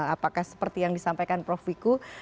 apakah seperti yang disampaikan prof wiku